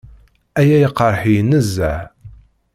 Aya iqerreḥ-iyi nezzeh.